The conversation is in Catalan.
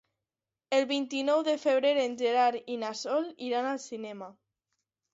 El vint-i-nou de febrer en Gerard i na Sol iran al cinema.